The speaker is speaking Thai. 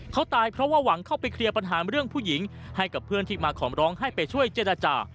เขาตายเพราะว่าหวังเข้าไปเคลียร์ปัญหาเรื่องผู้หญิงให้กับเพื่อนที่มาขอมร้องให้ไปช่วยเจรจา